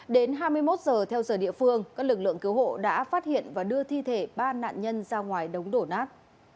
đến hai mươi một giờ theo giờ địa phương các lực lượng cứu hộ đã phát hiện và đưa thi thể ba nạn nhân ra ngoài đống đổ nát